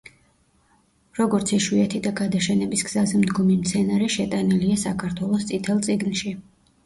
როგორც იშვიათი და გადაშენების გზაზე მდგომი მცენარე, შეტანილია საქართველოს „წითელ წიგნში“.